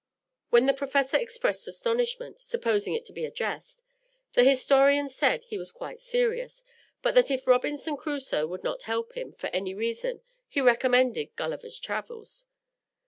When the professor expressed astonishment, supposing it to be a jest, the historian said he was quite serious, but that if Robinson Crusoe would not help him, for any reason, he recommended Gulliver's Travels.